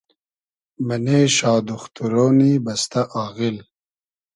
مئنې شا دوختورۉنی بئستۂ آغیل